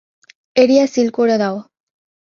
Area seal করে দাও।